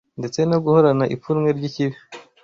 ndetse no guhorana ipfunwe ry’ikibi